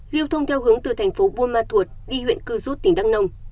họ hướng từ thành phố buôn ma thuột đi huyện cư rút tỉnh đăng nông